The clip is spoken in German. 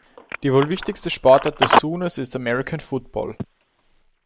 Die wohl wichtigste Sportart der Sooners ist American Football.